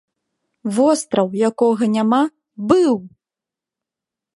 Востраў, якога няма, быў!